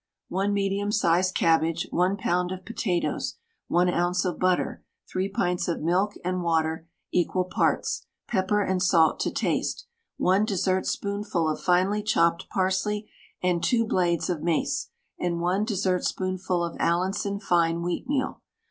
1 medium sized cabbage, 1 lb. of potatoes, 1 oz. of butter, 3 pints of milk and water equal parts, pepper and salt to taste, 1 dessertspoonful of finely chopped parsley, and 2 blades of mace, and 1 dessertspoonful of Allinson fine wheatmeal.